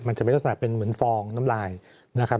มันจะเป็นลักษณะเป็นเหมือนฟองน้ำลายนะครับ